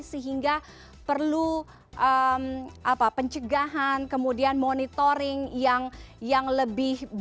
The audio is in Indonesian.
sehingga perlu pencegahan kemudian monitoring yang lebih baik